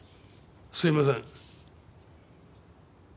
すいません。